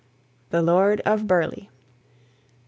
THE LORD OF BURLEIGH.